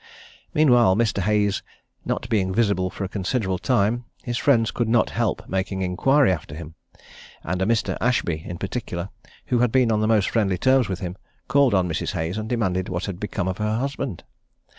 Meanwhile, Mr. Hayes not being visible for a considerable time, his friends could not help making inquiry after him; and a Mr. Ashby, in particular, who had been on the most friendly terms with him, called on Mrs. Hayes, and demanded what had become of her husband?